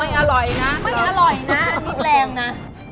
ไม่อร่อยน่ะนิดแรงนะ